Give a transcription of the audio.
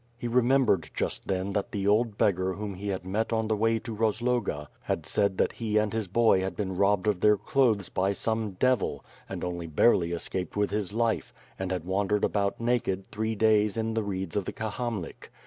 He remem bered just then the old beggar whom he had met on the way to Rozloga had said that he and his boy had been robbed of their clothes by some devil, and only barely escaped with his life, and had wandered about naked three days in the reeds of the Kahamlik.